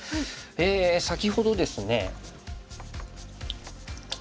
先ほどですね。